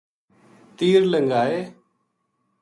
تیر لنگھا ئے